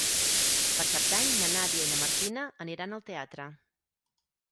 Per Cap d'Any na Nàdia i na Martina aniran al teatre.